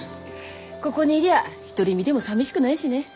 ここにいりゃ独り身でもさみしくないしね。